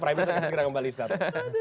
prime news akan segera kembali saat ini